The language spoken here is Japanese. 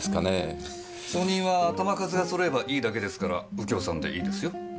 証人は頭数が揃えばいいだけですから右京さんでいいですよ。